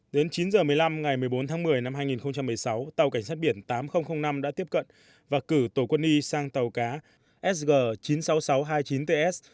đến chín h một mươi năm ngày một mươi bốn tháng một mươi năm hai nghìn một mươi sáu tàu cảnh sát biển tám nghìn năm đã tiếp cận và cử tổ quân y sang tàu cá sg chín mươi sáu nghìn sáu trăm hai mươi chín ts